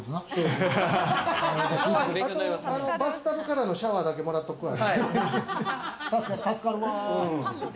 バスタブからのシャワーだけもらっとくわ。